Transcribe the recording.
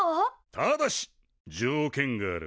ただし条件がある。